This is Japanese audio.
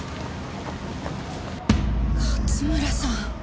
勝村さん！？